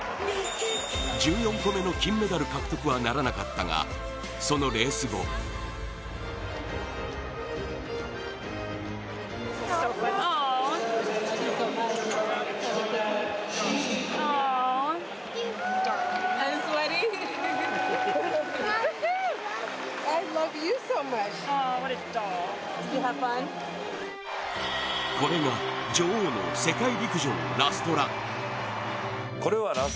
１４個目の金メダル獲得はならなかったがそのレース後これが女王の世界陸上ラストラン。